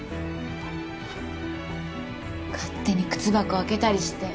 勝手に靴箱開けたりして。